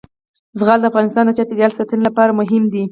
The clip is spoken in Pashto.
زغال د افغانستان د چاپیریال ساتنې لپاره مهم دي.